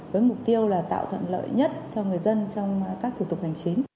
với mục tiêu là tạo thuận lợi nhất cho người dân trong các thủ tục hành chính